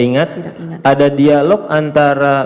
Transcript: ingat tidak ingat ada dialog antara